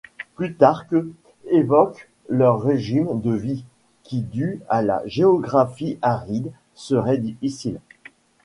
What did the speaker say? Plutarque évoque leur régime de vie, qui dû à la géographie aride, serait difficile.